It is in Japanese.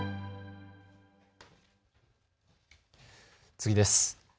次です。